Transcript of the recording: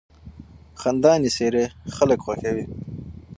خندانې څېرې خلک خوښوي.